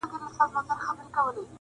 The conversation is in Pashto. راځه چې الهام واخلو له الزامه، محبته!!